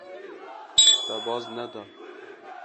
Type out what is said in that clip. Te baz neda.